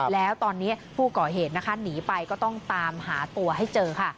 แล้วตอนนี้ผู้ก่อเหตุนะคะหนีไปก็ต้องตามหาตัวให้เจอค่ะ